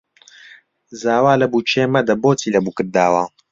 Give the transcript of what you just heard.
زاوا لە بووکێ مەدە بۆچی لە بووکت داوە